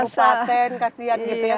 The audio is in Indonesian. kabupaten kasihan gitu ya